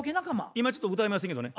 今ちょっと歌えませんけどね。